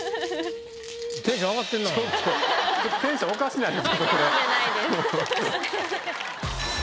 テンションおかしないですか？